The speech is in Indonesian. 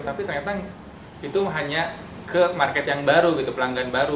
tapi ternyata itu hanya ke market yang baru gitu pelanggan baru